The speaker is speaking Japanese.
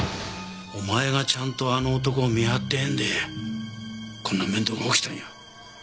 お前がちゃんとあの男を見張ってへんでこんな面倒が起きたんや。